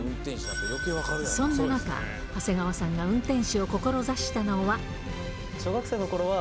そんな中、長谷川さんが運転士を志したのは。